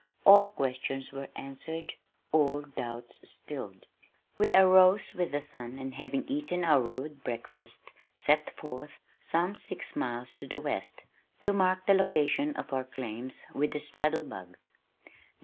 All questions were answered, all doubts stilled. We arose with the sun and having eaten our rude breakfast set forth, some six miles to the west, to mark the location of our claims with the "straddle bugs."